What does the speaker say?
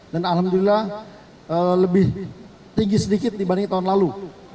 dan alhamdulillah lebih tinggi sedikit dibanding tahun lalu